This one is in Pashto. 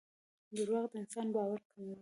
دراوغ دانسان باور کموي